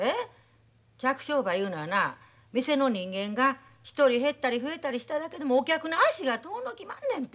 客商売いうのはな店の人間が１人減ったり増えたりしただけでもお客の足が遠のきまんねんて。